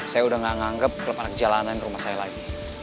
saya udah gak nganggep klub anak jalanan rumah saya lagi